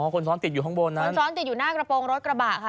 คนซ้อนติดอยู่หน้ากระโปรงรถกระบะค่ะ